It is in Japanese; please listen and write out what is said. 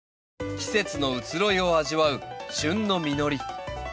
季節の移ろいを味わう旬の実り。